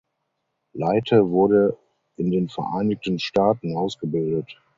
Leite wurde in den Vereinigten Staaten ausgebildet.